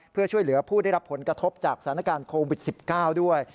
เพื่อช่วยเหลือผู้ได้รับผลกระทบจากสถานการณ์โควิด๑๙ด้วย